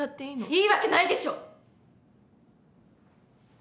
いいわけないでしょ！